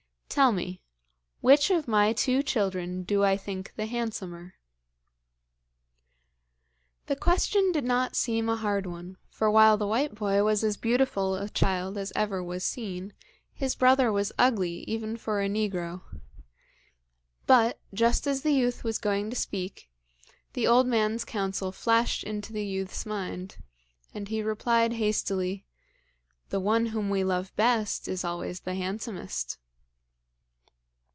Tell me: which of my two children do I think the handsomer.' The question did not seem a hard one, for while the white boy was as beautiful a child as ever was seen, his brother was ugly even for a negro. But, just as the youth was going to speak, the old man's counsel flashed into the youth's mind, and he replied hastily: 'The one whom we love best is always the handsomest.'